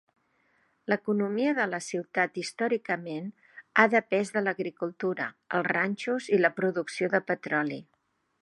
L'economia de la ciutat històricament ha depès de l'agricultura, els ranxos i la producció de petroli.